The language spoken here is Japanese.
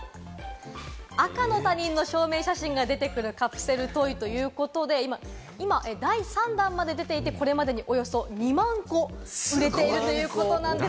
赤の他人の証明写真が出てくるカプセルトイということで、今、第３弾まで出ていて、これまでにおよそ２万個売れているということなんです。